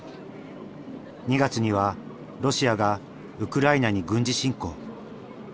２月にはロシアがウクライナに軍事侵攻。